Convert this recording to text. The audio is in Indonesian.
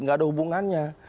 tidak ada hubungannya